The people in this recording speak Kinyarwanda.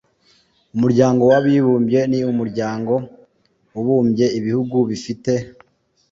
umuryango w abibumbye ni umuryango ubumbye ibihugu bifite